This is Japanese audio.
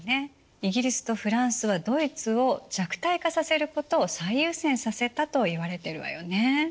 イギリスとフランスはドイツを弱体化させることを最優先させたといわれてるわよね。